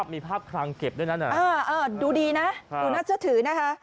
มีภาพคลังเก็บด้วยนั้นดูดีนะดูน่าเชื่อถือนะคะ